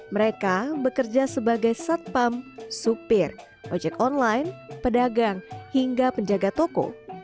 mereka bekerja sebagai satpam supir ojek online pedagang hingga penjaga toko